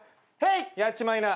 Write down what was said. やっちまいな。